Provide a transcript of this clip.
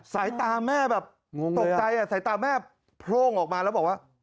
สายตาแม่แบบงงตกใจสายตาแม่โพร่งออกมาแล้วบอกว่า